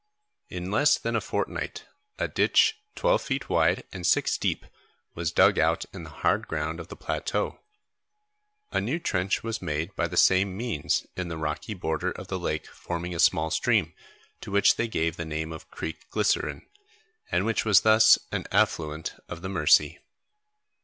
In less than a fortnight a ditch twelve feet wide and six deep, was dug out in the hard ground of the plateau. A new trench was made by the same means in the rocky border of the lake forming a small stream, to which they gave the name of Creek Glycerine, and which was thus an affluent of the Mercy.